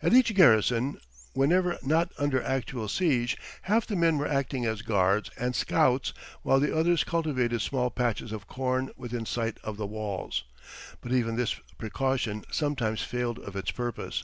At each garrison, whenever not under actual siege, half of the men were acting as guards and scouts while the others cultivated small patches of corn within sight of the walls. But even this precaution sometimes failed of its purpose.